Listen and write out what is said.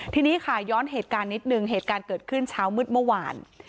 ทีนี้ค่ะย้อนเหตุการณ์นิดนึงเหตุการณ์เกิดขึ้นเช้ามืดเมื่อวาน